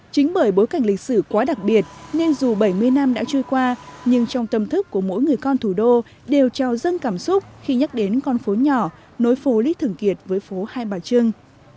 chính bởi bối cảnh lịch sử quá đặc biệt nên dù bảy mươi năm đã trôi qua nhưng trong tâm thức của mỗi người con thủ đô đều trào dâng cảm xúc khi nhắc đến con phố nhỏ nối phố lý thường kiệt với phố hai bà trưng